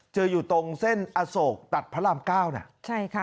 เจออยู่ตรงเส้นอโศกตัดพระรามเก้าเนี่ย